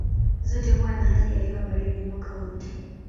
Zote huwa na hali ya hewa baridi mwaka wote.